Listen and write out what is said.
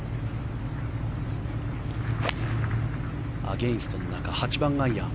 アゲンストの中８番アイアン。